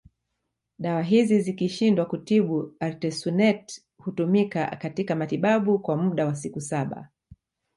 Dawa hizi zikishindwa kutibu Artesunate hutumika katika matibabu kwa muda wa siku saba